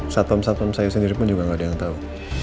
satu satu saya sendiri pun juga gak ada yang tau